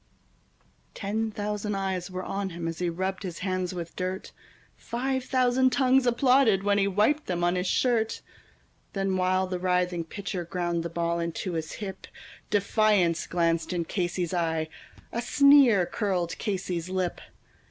Ten thousand eyes were on him as he rubbed his hands with dirt, Five thousand tongues applauded when he wiped them on his shirt; Then, while the writhing pitcher ground the ball into his hip, Defiance glanced in Casey's eye, a sneer curled Casey's lip.